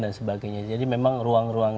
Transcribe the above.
dan sebagainya jadi memang ruang ruang